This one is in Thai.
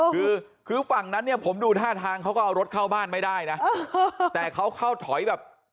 คือคือฝั่งนั้นเนี่ยผมดูท่าทางเขาก็เอารถเข้าบ้านไม่ได้นะแต่เขาเข้าถอยแบบ